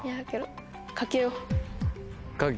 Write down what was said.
賭けよう。